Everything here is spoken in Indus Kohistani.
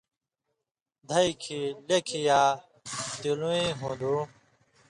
دَہیۡ کَہ لیکھیۡ یا تلُوئیں ہُون٘دُوں